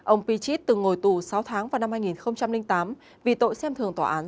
ông pichit từng ngồi tù sáu tháng vào năm hai nghìn tám vì tội xem thường tòa án